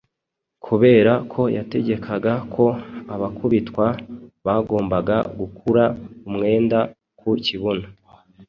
kubera ko yategekaga ko abakubitwa bagombaga gukura umwenda ku kibuno